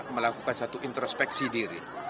melakukan satu introspeksi diri